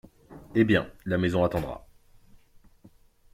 Eh bien, la maison attendra !